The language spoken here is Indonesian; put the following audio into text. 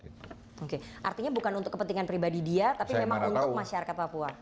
oke artinya bukan untuk kepentingan pribadi dia tapi memang untuk masyarakat papua